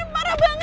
parah banget ya